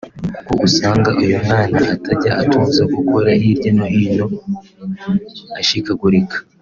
kuko usanga uyu mwana atajya atuza gukora hirya no hino ashikagurika”